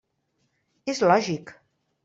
És lògic.